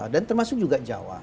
dan termasuk juga jawa